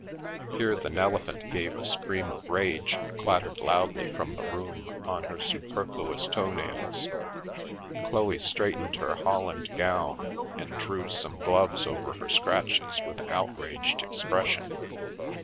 Here the Nelephant gave a scream of rage and clat tered loudly from the room on her superfluous toe nails. Chloe straightened her holland gown and drew some gloves over her scratches with an outraged expression.